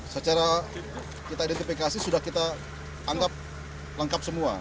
secara kita identifikasi sudah kita anggap lengkap semua